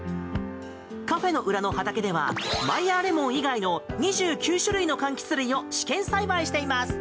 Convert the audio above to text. カフェの裏の畑ではマイヤーレモン以外の２９種類の柑橘類を試験栽培しています。